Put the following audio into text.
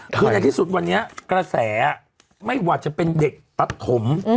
คืออย่างที่สุดวันนี้กระแสไม่หวัดจะเป็นเด็กปัดถม